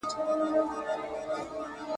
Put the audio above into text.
ویل وایه که ریشتیا در معلومیږي !.